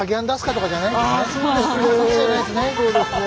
そっちじゃないですね。